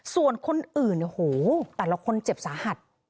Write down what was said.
ส่วนคนอื่นโอ้โหแต่ละคนเจ็บสาหัส